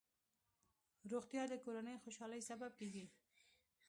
روغتیا د کورنۍ خوشحالۍ سبب کېږي.